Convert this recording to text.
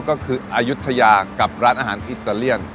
ก็คืออายุทยากับร้านอาหารอิตาเลียน